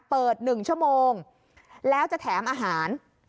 ๑ชั่วโมงแล้วจะแถมอาหาร